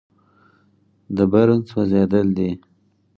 د برن سوځېدل دي.